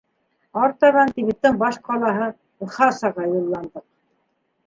Артабан Тибеттың баш ҡалаһы Лхасаға юлландыҡ.